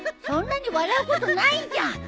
そんなに笑うことないじゃん！